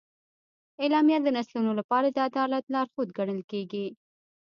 اعلامیه د نسلونو لپاره د عدالت لارښود ګڼل کېږي.